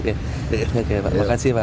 oke terima kasih pak